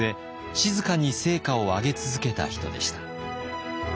静かに成果を上げ続けた人でした。